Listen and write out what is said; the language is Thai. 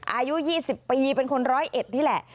อายุ๒๐ปีเป็นคนร้อยเอ็ดนี่แหละ